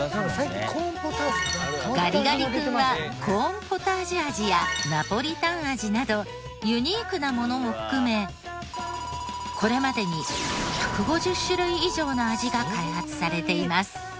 ガリガリ君はコーンポタージュ味やナポリタン味などユニークなものも含めこれまでに１５０種類以上の味が開発されています。